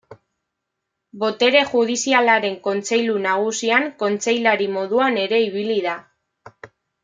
Botere Judizialaren Kontseilu Nagusian kontseilari moduan ere ibili da.